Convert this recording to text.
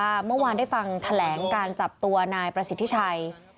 เมื่อวานได้ฟังแถลงการจับตัวนายประสิทธิชัย